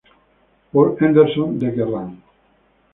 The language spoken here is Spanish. Paul Henderson de Kerrang!